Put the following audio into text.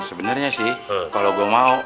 sebenernya sih kalo gue mau